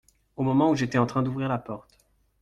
Au moment où j’étais en train d’ouvrir la porte.